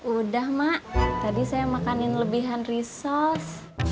udah mak tadi saya makanin lebihan resource